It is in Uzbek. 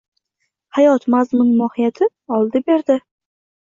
Hayot mazmun-mohiyati — “oldi-berdi”.